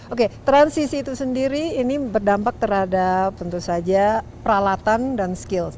oke transisi itu sendiri ini berdampak terhadap tentu saja peralatan dan skills